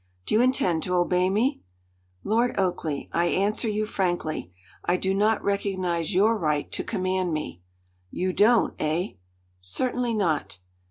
Do you intend to obey me?" "Lord Oakleigh, I answer you frankly I do not recognize your right to command me." "You don't, eh?" "Certainly not."